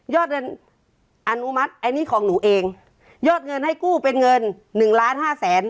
อนุมัติอันนี้ของหนูเองยอดเงินให้กู้เป็นเงินหนึ่งล้านห้าแสน